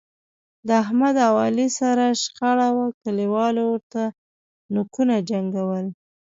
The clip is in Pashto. د احمد او علي سره شخړه وه، کلیوالو ورته نوکونو جنګول.